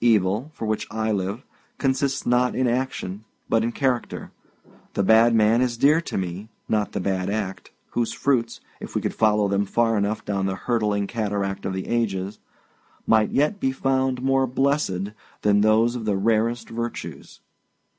Evil, for which I live, consists not in action but in character. The bad man is dear to me, not the bad act, whose fruits, if we could follow them far enough down the hurtling cataract of the ages, might yet be found more blessed than those of the rarest virtues.